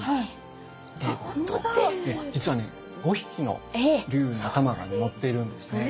実はね５匹の龍の頭がね乗っているんですね。